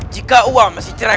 jika uang masih cerai